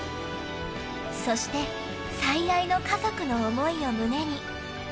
そして最愛の家族の思いを胸に。